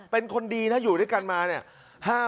เป็นคนดีนะอยู่ด้วยกันมาเนี่ย